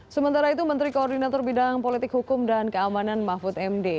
sementara itu menteri koordinator bidang politik hukum dan keamanan mahfud md